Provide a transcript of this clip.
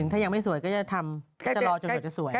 ถ้ายังไม่สวยก็จะทำก็จะรอจนกว่าจะสวย